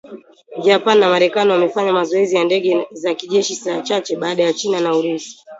Japan na Marekani wamefanya mazoezi ya ndege za kijeshi saa chache baada ya China na Urusi